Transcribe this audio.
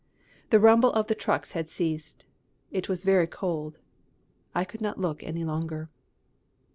The rumble of the trucks had ceased. It was very cold. I could not look any longer.